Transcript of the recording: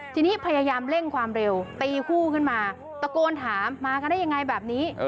ทีนี้พยายามเร่งความเร็วตีคู่ขึ้นมาตะโกนถามมากันได้ยังไงแบบนี้